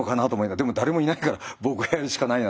でも誰もいないから僕がやるしかないなと思って。